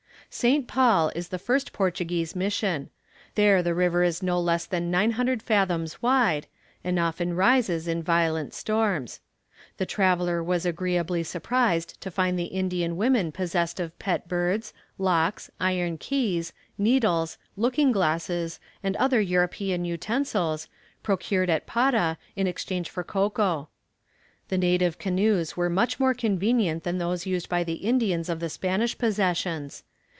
St. Paul is the first Portuguese mission. There the river is no less than 900 fathoms wide, and often rises in violent storms. The traveller was agreeably surprised to find the Indian women possessed of pet birds, locks, iron keys, needles, looking glasses, and other European utensils, procured at Para in exchange for cocoa. The native canoes are much more convenient than those used by the Indians of the Spanish possessions.